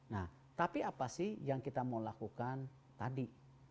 nah tapi apa sih yang kita mau lakukan tadi